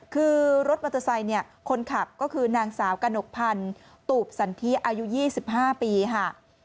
คือรถมอเตอร์ไซค์เนี่ยคนขับก็คือนางสาวกระหนกพันธ์ตูบสันทิอายุ๒๕ปีค่ะ